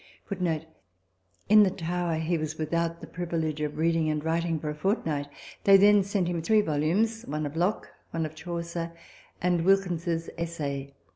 [In the Tower he was without the privilege of reading or writing for a fortnight, f They then sent him three volumes one of Locke one of Chaucer J and Wilkins's Essay.